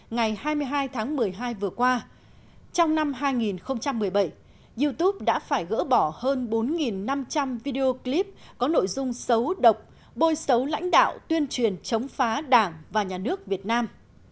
ngày hai mươi hai tháng một mươi hai vừa qua trong năm hai nghìn một mươi bảy youtube đã phải gỡ bỏ hơn bốn năm trăm linh video clip có nội dung xấu độc bôi xấu lãnh đạo tuyên truyền chống phá đảng và nhà nước việt nam